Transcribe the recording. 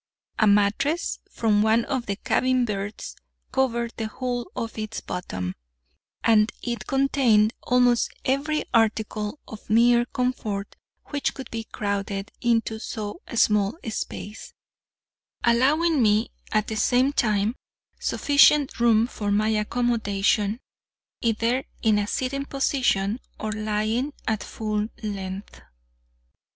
A mattress from one of the cabin berths covered the whole of its bottom, and it contained almost every article of mere comfort which could be crowded into so small a space, allowing me, at the same time, sufficient room for my accommodation, either in a sitting position or lying at full length.